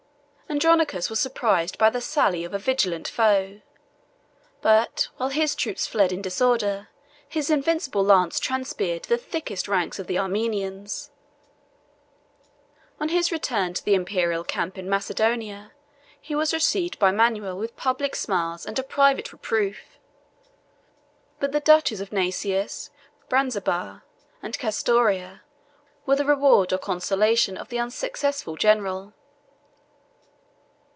Andronicus was surprised by the sally of a vigilant foe; but, while his troops fled in disorder, his invincible lance transpierced the thickest ranks of the Armenians. On his return to the Imperial camp in Macedonia, he was received by Manuel with public smiles and a private reproof; but the duchies of Naissus, Braniseba, and Castoria, were the reward or consolation of the unsuccessful general.